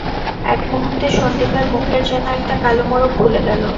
এক মুহূর্তে সন্দীপের মুখের যেন একটা কালো মোড়ক খুলে গেল।